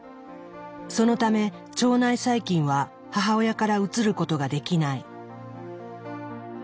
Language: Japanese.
そのため腸内細菌は母親から移ることができない。